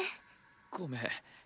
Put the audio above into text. ごめん。